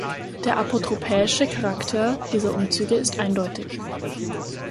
Der apotropäische Charakter dieser Umzüge ist eindeutig.